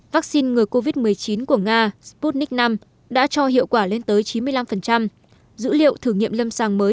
vắc xin người covid một mươi chín của nga sputnik v đã cho hiệu quả lên tới chín mươi năm dữ liệu thử nghiệm lâm sàng mới